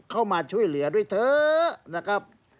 เข้ามาช่วยเหลือด้วยเถอะนะครับ